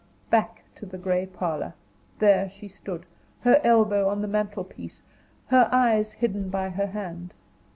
Back to the gray parlor, there she stood, her elbow on the mantelpiece, her eyes hidden by her hand.